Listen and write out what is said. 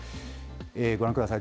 ご覧ください。